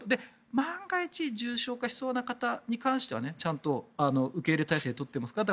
万が一重症化しそうな方に関してはちゃんと受け入れ体制を取っていますからと。